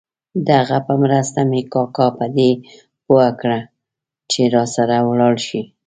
د هغه په مرسته مې کاکا په دې پوه کړ چې راسره ولاړ شي.